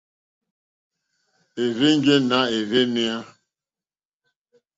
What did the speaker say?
Érzènjé nà ɛ́rzɛ̀nɛ́á.